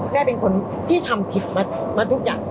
เป็นคนที่ทำผิดมาทุกอย่าง